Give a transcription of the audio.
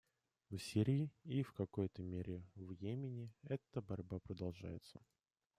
В Сирии и, в какой-то мере, в Йемене эта борьба продолжается.